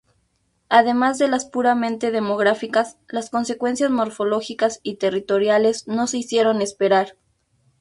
Además de las puramente demográficas, las consecuencias morfológicas y territoriales no se hicieron esperar.